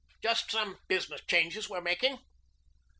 "Just some business changes we're making."